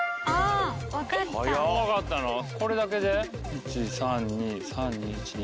１３２３２１２。